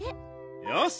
よし！